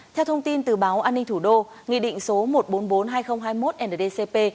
theo thông tin từ báo an ninh thủ đô nghị định số một trăm bốn mươi bốn hai nghìn hai mươi một ndcp